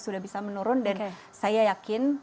sudah bisa menurun dan saya yakin